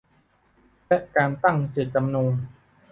และการตั้งเจตจำนง